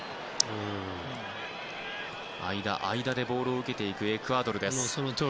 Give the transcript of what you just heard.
間、間でボールを受けるエクアドルです。